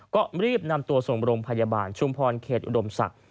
ก็รีบนำตัวส่งโรงพยาบาลชุมพรเขตอุดมศักดิ์